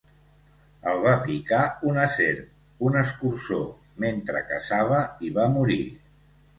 El va picar una serp, un escurçó, mentre caçava i va morir.